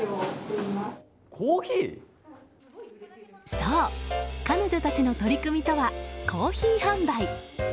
そう、彼女たちの取り組みとはコーヒー販売。